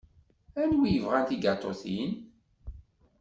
Anwi yebɣan tigaṭutin?